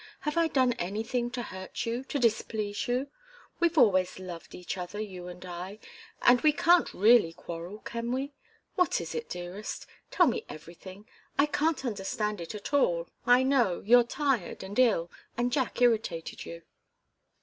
Have I done anything to hurt you to displease you? We've always loved each other, you and I and we can't really quarrel, can we? What is it, dearest? Tell me everything I can't understand it at all I know you're tired and ill, and Jack irritated you.